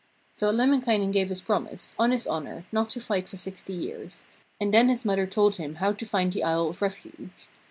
So Lemminkainen gave his promise, on his honour, not to fight for sixty years, and then his mother told him how to find the isle of refuge.